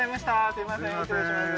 すいません失礼します